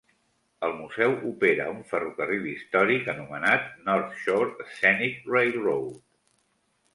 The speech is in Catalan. El museu opera un ferrocarril històric anomenat North Shore Scenic Railroad.